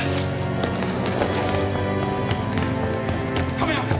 亀山君！